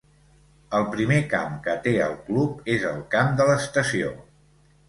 El primer camp que té el club és el Camp de l'Estació.